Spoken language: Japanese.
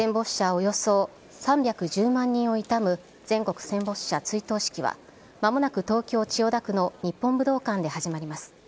およそ３１０万人を悼む、全国戦没者追悼式は、まもなく東京・千代田区の日本武道館で始まります。